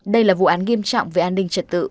đây là vụ án nghiêm trọng về an ninh trật tự